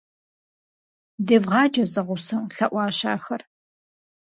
- Девгъаджэ зэгъусэу, – лъэӀуащ ахэр.